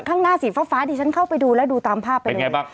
ข้างหน้าสีฟ้านี่ฉันเข้าไปดูแล้วดูตามภาพไปเลย